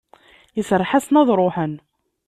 Iserreḥ-asen ad ruḥen.